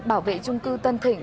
bảo vệ trung cư tân thịnh